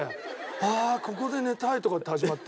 「ああここで寝たい」とかって始まって。